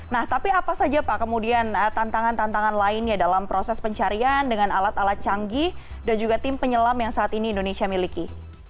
nah tapi apa saja pak kemudian tantangan tantangan lainnya dalam proses pencarian dengan alat alat canggih dan juga tim penyelam yang saat ini indonesia miliki